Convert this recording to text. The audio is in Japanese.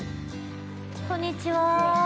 こんにちは。